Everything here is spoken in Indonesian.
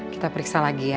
kita periksa lagi ya